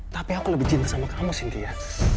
tapi aku lebih cinta sama kamu sintia